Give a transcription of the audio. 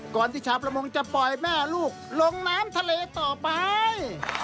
ที่ชาวประมงจะปล่อยแม่ลูกลงน้ำทะเลต่อไป